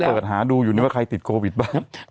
เปิดหาดูอยู่นี่ว่าใครติดโควิดบ้าง